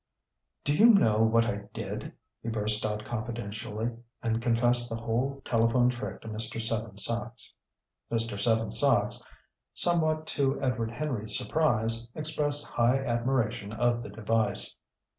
"Do you know what I did?" he burst out confidentially, and confessed the whole telephone trick to Mr. Seven Sachs. Mr. Seven Sachs, somewhat to Edward Henry's surprise, expressed high admiration of the device.